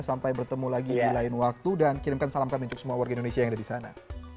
sampai bertemu lagi di lain waktu dan kirimkan salam kami untuk semua warga indonesia yang ada di sana